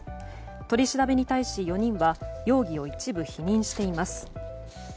取り調べに対し４人は容疑を一部否認しています。